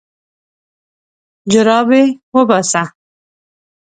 جرابې وباسه.